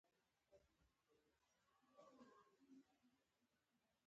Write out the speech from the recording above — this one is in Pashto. د بون میرو بایوپسي د وینې ناروغۍ ښيي.